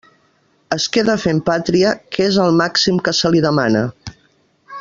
Es queda fent pàtria, que és el màxim que se li demana.